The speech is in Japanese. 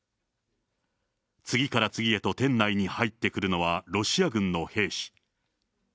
次から次へと店内に入ってくるのは、ロシア軍の兵士。